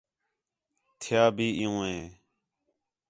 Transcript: تھیا بھی عِیّوں ہِے